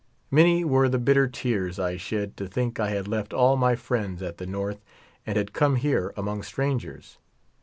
Many were the bitter tears I shed to think I had left all my friends at the North and had come here among strangers.